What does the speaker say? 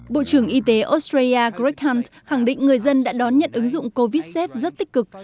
bộ trưởng y tế australia greghan khẳng định người dân đã đón nhận ứng dụng covidsafe rất tích cực